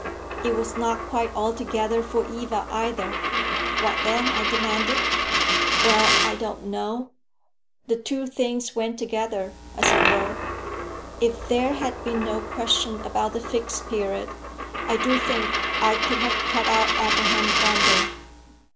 "It was not quite altogether for Eva either." "What then?" I demanded. "Well, I don't know. The two things went together, as it were. If there had been no question about the Fixed Period, I do think I could have cut out Abraham Grundle.